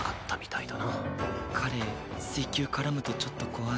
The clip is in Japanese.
彼水球絡むとちょっと怖い。